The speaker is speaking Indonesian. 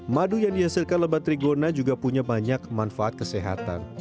madu yang dihasilkan lebat trigona juga punya banyak manfaat kesehatan